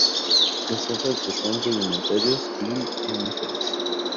Las hojas de son rudimentarios y efímeras.